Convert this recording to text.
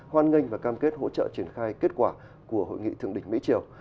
hoan nghênh và cam kết hỗ trợ triển khai kết quả của hội nghị thượng đỉnh mỹ triều